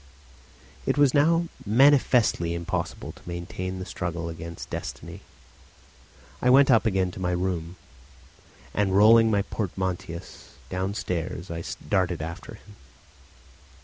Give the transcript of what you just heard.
It was now manifestly impossible to maintain the struggle against destiny. I went up again to my room, and rolling my portmanteaus downstairs I darted after him.